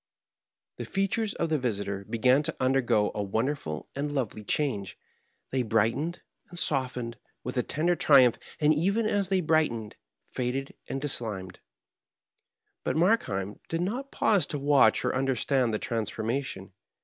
The features of the visitor began to undergo a won derful and lovely change : they brightened and softened with a tender triumph, and even as they brightened, faded and dislimned. But Markheim did not pause to watch or understand the transformation.